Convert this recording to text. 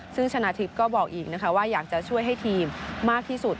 ซึ่งชนะทิพย์ก็บอกอีกนะคะว่าอยากจะช่วยให้ทีมมากที่สุด